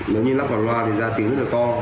nếu như lắp vào loa thì da tiếng rất là to